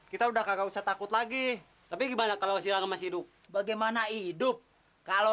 kita udah kakak usah takut lagi tapi gimana kalau silang masih hidup bagaimana hidup kalau